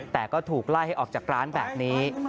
แต่ก็ถูกไล่ให้ออกจากร้านแบบนี้